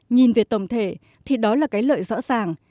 nhìn về tổng thể thì đó là cái lợi rõ ràng